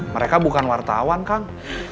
mereka bukan wartawan kang